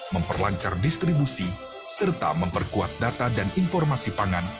memperlancar distribusi serta memperkuat data dan informasi pangan